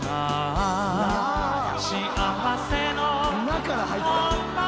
「な」から入った。